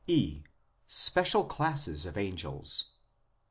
(e) Special classes of angels.